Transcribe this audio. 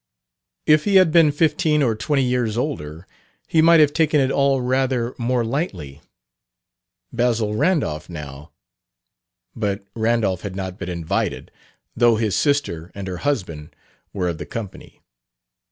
If he had been fifteen or twenty years older he might have taken it all rather more lightly. Basil Randolph, now But Randolph had not been invited, though his sister and her husband were of the company.